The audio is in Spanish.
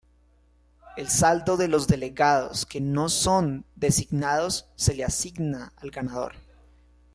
El saldo de los delegados que no son designados se le asigna al ganador.